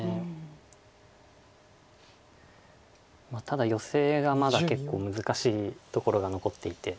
ただヨセがまだ結構難しいところが残っていて。